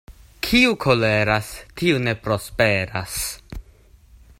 Kiu koleras, tiu ne prosperas.